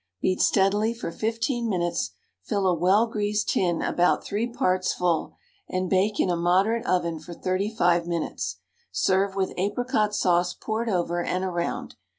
Beat steadily for 15 minutes; fill a well greased tin about three parts full, and bake in a moderate oven for 35 minutes; serve with apricot sauce poured over and around.